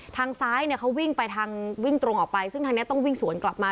ทางซ้ายเนี่ยเขาวิ่งไปทางวิ่งตรงออกไปซึ่งทางนี้ต้องวิ่งสวนกลับมา